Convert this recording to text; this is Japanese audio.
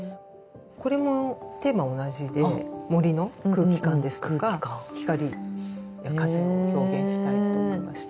これもテーマ同じで森の空気感ですとか光や風を表現したいと思いました。